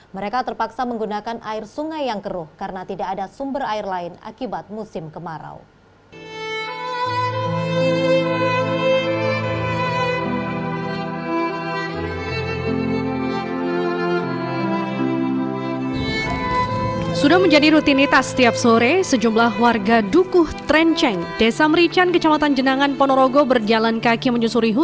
mereka terpaksa menggunakan air sungai yang keruh karena tidak ada sumber air lain akibat musim kemarau